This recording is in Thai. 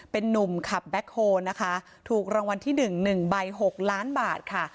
เป็นหนุ่มขับนะคะถูกรางวัลที่หนึ่งหนึ่งใบหกล้านบาทค่ะ